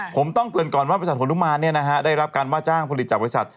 ผมต้องเตือนก่อนว่าบริษัทฮนุมานได้รับการว่าจ้างผลิตจากบริษัท